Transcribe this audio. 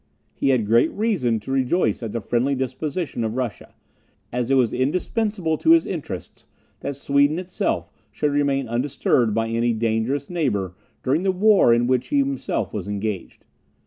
He had great reason to rejoice at the friendly disposition of Russia, as it was indispensable to his interests that Sweden itself should remain undisturbed by any dangerous neighbour during the war in which he himself was engaged.